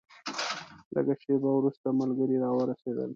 لږه شېبه وروسته ملګري راورسېدل.